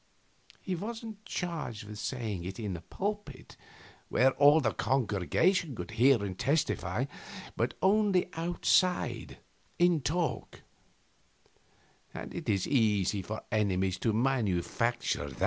He wasn't charged with saying it in the pulpit, where all the congregation could hear and testify, but only outside, in talk; and it is easy for enemies to manufacture that.